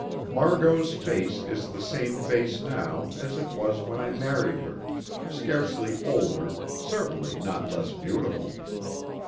Margot's face is the same face now as it was when I married her scarcely older, certainly not less beautiful.